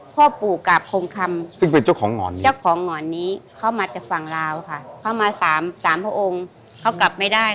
พ่อปู่กาบพงคำซึ่งเป็นเจ้าของหอนนี้เจ้าของหง่อนนี้เข้ามาจากฝั่งลาวค่ะเข้ามาสามสามพระองค์เขากลับไม่ได้